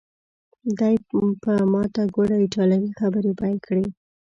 دی په ماته ګوډه ایټالوي خبرې پیل کړې.